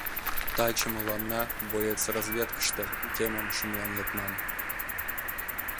Таче мыланна «Боец — разведкыште» темым шымлен лекман.